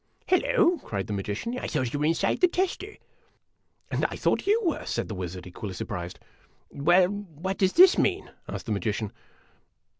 "Hallo!' cried the magician, "I thought you were inside the tester !" A DUEL IN A DESERT 49 "And I thought you were!" said the wizard, equally surprised. "Well, what does this mean?" asked the magician.